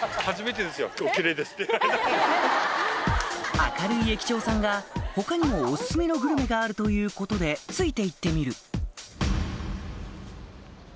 明るい駅長さんが他にもお薦めのグルメがあるということでついて行ってみる